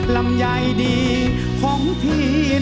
ลำใหญ่ดีของพี่